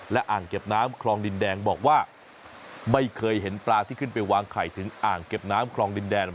และอ่างเก็บน้ำคลองดินแดงบอกว่าไม่เคยเห็นปลาที่ขึ้นไปวางไข่ถึงอ่างเก็บน้ำคลองดินแดน